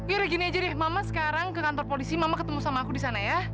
yaudah gini aja deh mama sekarang ke kantor polisi mama ketemu sama aku di sana ya